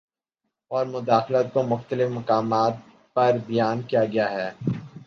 اور مداخلت کو مختلف مقامات پر بیان کیا گیا ہے